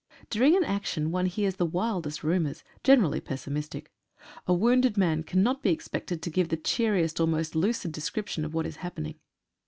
During an action one hears the wildest rumours — generally pessimistic. A wounded man cannot be ex pected to give the cheeriest, or most lucid description of what is happening.